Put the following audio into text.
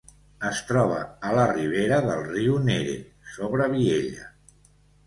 Es troba a la ribera del riu Nere, sobre Viella.